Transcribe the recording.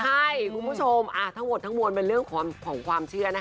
ใช่คุณผู้ชมทั้งหมดทั้งมวลเป็นเรื่องของความเชื่อนะคะ